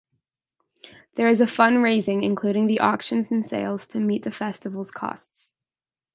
There is fund raising including auctions and sales to meet the festival's costs.